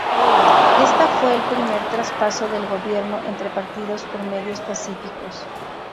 Esta fue el primer traspaso del gobierno entre partidos por medios pacíficos.